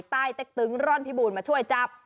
ใต้เต๊กตึงร่อนพิบูลมาช่วยจับ